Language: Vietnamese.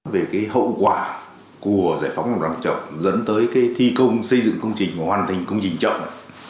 về cái hậu quả của giải phóng đoàn trọng dẫn tới cái thi công xây dựng công trình hoàn thành công trình trọng